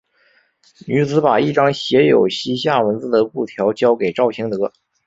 女子把一张写有西夏文字的布条交给赵行德。